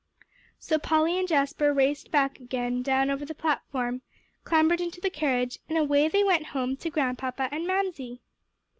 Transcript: So Polly and Jasper raced back again down over the platform, clambered into the carriage, and away they went home to Grandpapa and Mamsie!